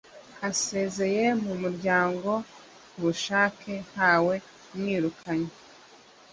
Asezeye mu muryango ku bushake nta we umwirukanye